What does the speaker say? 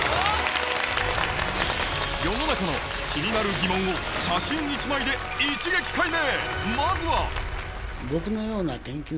世の中の気になる疑問を写真１枚で一撃解明！